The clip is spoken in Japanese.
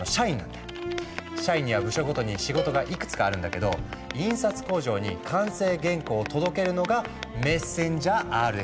社員には部署ごとに仕事がいくつかあるんだけど印刷工場に完成原稿を届けるのがメッセンジャーＲＮＡ。